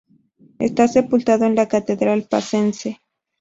Está sepultado en la catedral pacense.